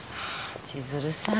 千鶴さん。